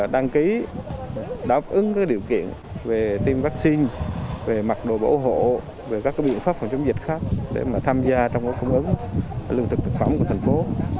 đăng ký đáp ứng các điều kiện về tiêm vaccine về mặt đồ bảo hộ về các biện pháp phòng chống dịch khác để tham gia trong cung ứng lương thực thực phẩm của thành phố